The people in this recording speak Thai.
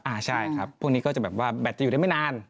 ใช่ครับพวกนี้ก็จะแบบว่าแบตจะอยู่ได้ไม่นาน